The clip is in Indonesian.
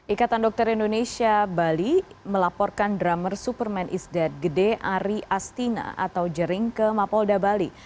ikatan dokter indonesia bali melaporkan drummer superman is dead gede ari astina atau jering ke mapolda bali